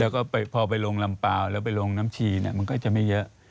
แล้วก็พอไปลงลำเปล่าแล้วไปลงน้ำชีมันก็จะไม่เยอะ